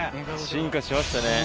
進化しましたね。